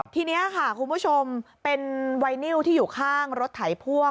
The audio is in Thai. ทีนี้ค่ะคุณผู้ชมเป็นไวนิวที่อยู่ข้างรถไถพ่วง